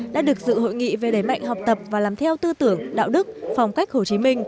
đã được dự hội nghị về đẩy mạnh học tập và làm theo tư tưởng đạo đức phong cách hồ chí minh